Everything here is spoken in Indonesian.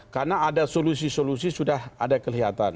karena ada solusi solusi sudah ada kelihatan